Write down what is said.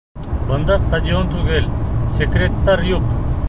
Бында стадион түгел, секреттар юҡ.